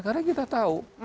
karena kita tahu